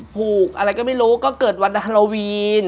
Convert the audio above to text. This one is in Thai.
ผูกอะไรก็ไม่รู้ก็เกิดวันฮาโลวีน